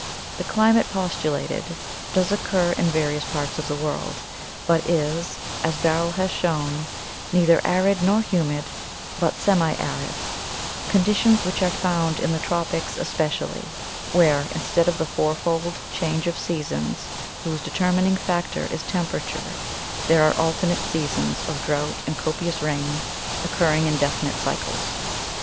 The climate postulated does occur in various parts of the world, but is, as Barrell has shown, neither arid nor humid, but semiarid — conditions which are found in the tropics especially, where instead of the fourfold change of seasons whose determining factor is temperature there are alternate seasons of drought and copious rain, occurring in definite cycles.